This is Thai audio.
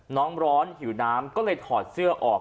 ร้อนหิวน้ำก็เลยถอดเสื้อออก